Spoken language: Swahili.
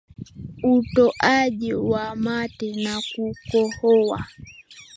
Utoaji wa mate na kukohoa